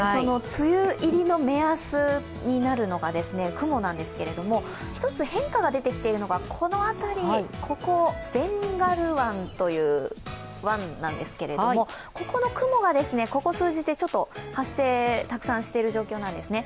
梅雨入りの目安になるのが雲なんですけれども、１つ変化が出てきているのがこの辺り、ここ、ベンガル湾という湾なんですがここの雲が、ここ数日たくさん発生している状態なんですね。